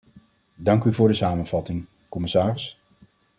Dank u voor de samenvatting, commissaris.